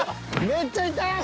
めっちゃ痛い。